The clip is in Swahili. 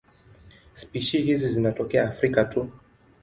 Spishi hizi zinatokea Afrika tu.